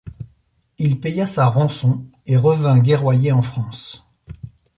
Il paya sa rançon et revint guerroyer en France.